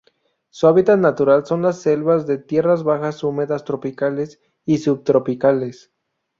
Su hábitat natural son las selvas de tierras bajas húmedas tropicales y subtropicales.